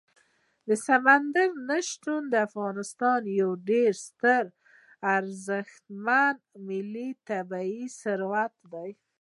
سمندر نه شتون د افغانستان یو ډېر ستر او ارزښتمن ملي طبعي ثروت دی.